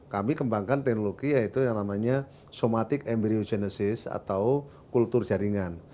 kami kembangkan teknologi yaitu yang namanya somatic embryo genesis atau kultur jaringan